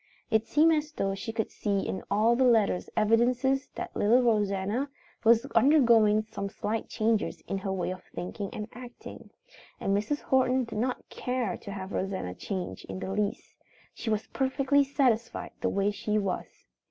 It seemed as though she could see in all the letters evidences that little Rosanna was undergoing some slight changes in her way of thinking and acting. And Mrs. Horton did not care to have Rosanna change in the least. She was perfectly satisfied the way she was.